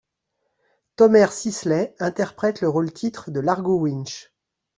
Tomer Sisley interprète le rôle-titre de Largo Winch.